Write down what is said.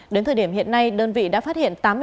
đến thời điểm hiện nay đơn vị đã phát hiện